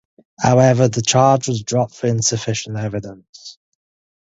However, the charge was dropped for insufficient evidence.